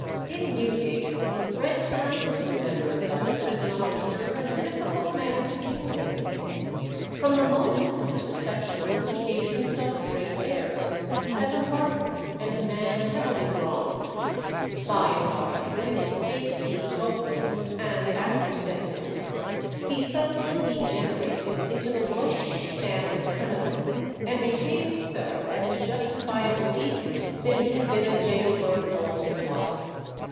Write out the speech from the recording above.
In Newgate Redpath is remembered by the prison officer as a difficult man to deal with. From the moment of his reception he gave himself great airs, as a martyr and a man heavily wronged. By and by, when escape seemed hopeless, and after sentence, he suddenly degenerated into the lowest stamp of criminal, and behaved so as to justify a belief that he had been a gaol bird all his life.